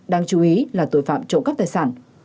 đáng chú ý là tội phạm trộm cắp tài sản